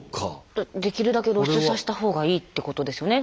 できるだけ露出させた方がいいってことですよね。